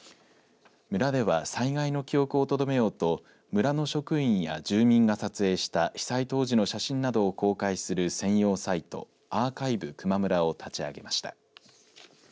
村では、災害の記憶をとどめようと村の職員や住民が撮影した被災当時の写真などを公開する専用サイトアーカイブくまむらを立ち上げました。